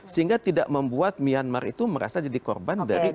sehingga tidak membuat myanmar itu merasa jadi korban dari